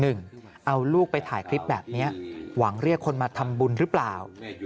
เอาลูกไปถ่ายคลิปแบบนี้หวังเรียกคนมาทำบุญหรือเปล่า